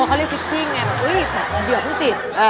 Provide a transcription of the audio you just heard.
อุ๊ยแบบเดี๋ยวเพิ่งติด